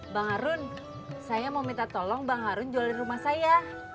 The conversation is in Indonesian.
bang harun saya mau minta tolong bang harun jual di rumah saya